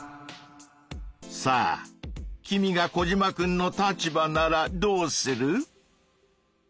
さあ君がコジマくんの立場ならどうする？